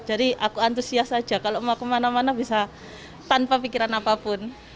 jadi aku antusias aja kalau mau kemana mana bisa tanpa pikiran apapun